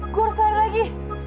gua harus lari lagi